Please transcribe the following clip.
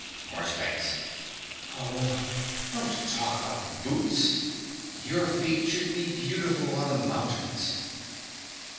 MARCHBANKS. Oh! don't talk about boots. Your feet should be beautiful on the mountains.